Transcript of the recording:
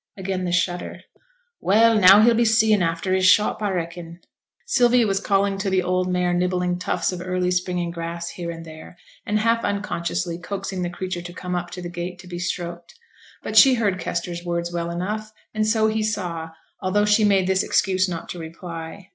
Again the shudder. 'Well, now he'll be seein' after his shop, a reckon?' Sylvia was calling to the old mare nibbling tufts of early springing grass here and there, and half unconsciously coaxing the creature to come up to the gate to be stroked. But she heard Kester's words well enough, and so he saw, although she made this excuse not to reply.